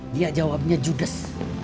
dia jawabnya judes